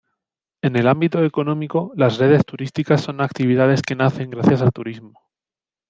En el ámbito económico, las redes turísticas son actividades que nacen gracias al turismo.